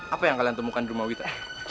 apa yang kalian temukan di rumah wita